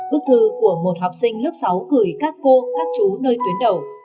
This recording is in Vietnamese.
bức thư của một học sinh lớp sáu gửi các cô các chú nơi tuyến đầu